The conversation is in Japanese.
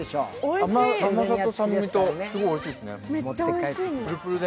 甘さと酸味と、すごいおいしいですね。